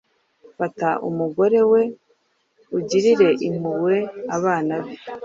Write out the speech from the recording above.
Fata umugore we, ugirire impuhwe abana be,